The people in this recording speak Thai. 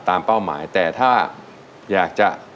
เป้าหมายแต่ถ้าอยากจะ